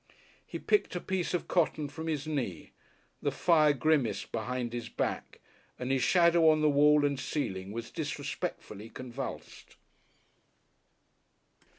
He picked a piece of cotton from his knee, the fire grimaced behind his back, and his shadow on the wall and ceiling was disrespectfully convulsed.